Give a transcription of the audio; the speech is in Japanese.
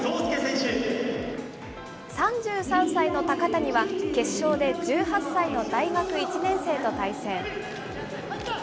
３３歳の高谷は、決勝で１８歳の大学１年生と対戦。